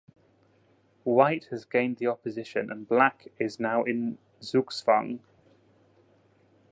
White has gained the opposition and Black is now in zugzwang.